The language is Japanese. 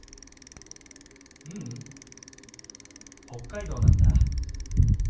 ううん北海道なんだ。